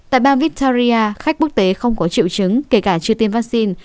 tại bang victoria khách quốc tế không có triệu chứng kể cả chưa tiêm vaccine